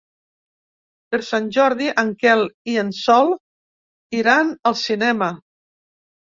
Per Sant Jordi en Quel i en Sol iran al cinema.